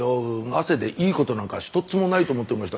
汗でいいことなんか一つもないと思ってました。